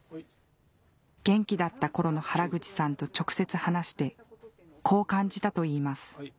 元気だった頃の原口さんと直接話してこう感じたといいます